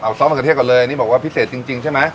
เอาซอสมะเขือเทศก่อนเลยนี่บอกว่าพิเศษจริงใช่ไหม